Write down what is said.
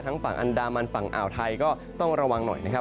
ฝั่งอันดามันฝั่งอ่าวไทยก็ต้องระวังหน่อยนะครับ